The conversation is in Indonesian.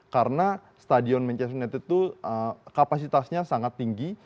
karena stadion manchester united itu kapasitasnya sangat tinggi